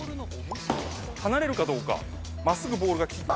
離れるかどうか真っすぐボールが。